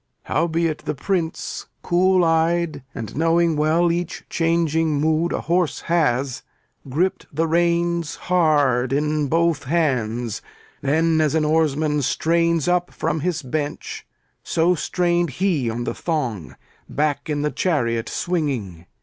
Howbeit, the Prince, cool eyed and knowing well Each changing mood a horse has, gripped the reins Hard in both hands; then as an oarsman strains Up from his bench, so strained he on the thong, Back in the chariot swinging.